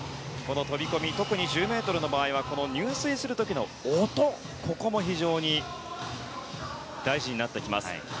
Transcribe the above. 飛込、特に１０ｍの場合は入水する時の音も非常に大事になってきます。